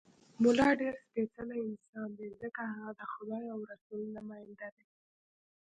ملا ډېر سپېڅلی انسان دی، ځکه هغه د خدای او رسول نماینده دی.